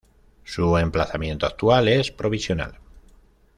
Su emplazamiento actual es provisional.